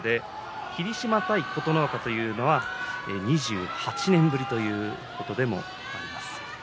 霧島対琴ノ若というのは２８年ぶりということになります。